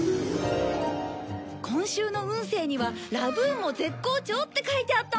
今週の運勢にはラブ運も絶好調って書いてあったんだ！